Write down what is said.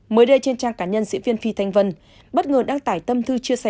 mới đây trên trang cá nhân diễn viên phi thanh vân bất ngờ đăng tải tâm thư chia sẻ